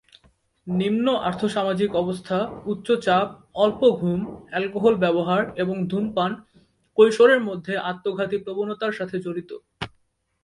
নিম্ন আর্থ-সামাজিক অবস্থা, উচ্চ চাপ, অল্প ঘুম, অ্যালকোহল ব্যবহার এবং ধূমপান কৈশোরের মধ্যে আত্মঘাতী প্রবণতার সাথে জড়িত।